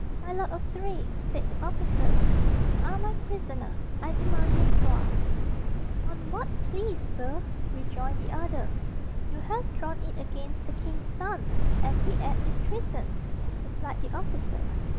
"My lord of Surrey," said the officer, "you are my prisoner. I demand your sword." "On what plea, sir?" rejoined the other. "You have drawn it against the king's son and the act is treason," replied the officer.